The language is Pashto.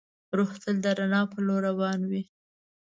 روح تل د رڼا په لور روان وي.